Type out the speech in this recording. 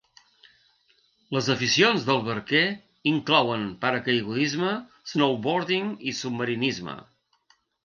Les aficions del barquer inclouen paracaigudisme, snowboarding i submarinisme.